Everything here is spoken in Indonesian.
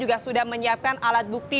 juga sudah menyiapkan alat bukti